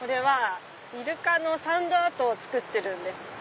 イルカのサンドアートを作ってるんです。